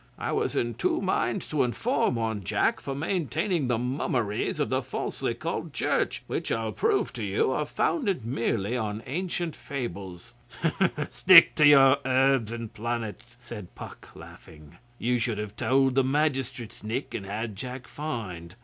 I was in two minds to inform on Jack for maintaining the mummeries of the falsely called Church, which, I'll prove to you, are founded merely on ancient fables ' 'Stick to your herbs and planets,' said Puck, laughing. 'You should have told the magistrates, Nick, and had Jack fined.